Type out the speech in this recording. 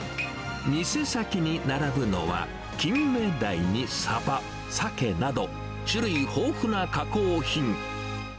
店先に並ぶのは、キンメダイにサバ、サケなど、種類豊富な加工品。